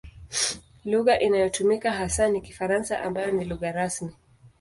Lugha inayotumika hasa ni Kifaransa ambayo ni lugha rasmi.